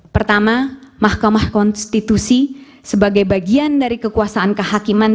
pertama mahkamah konstitusi sebagai bagian dari kekuasaan kehakiman